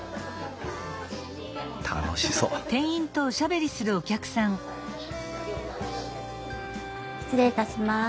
楽しそう失礼いたします。